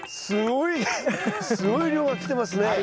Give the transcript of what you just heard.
すごい量が来てますね。